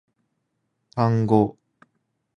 単語